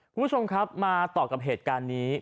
คุณผู้ชมครับมาต่อกับเหตุการณ์นี้